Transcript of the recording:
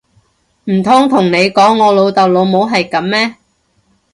唔通同你講我老豆老母係噉咩！